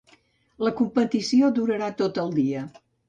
La competició durarà tot el dia.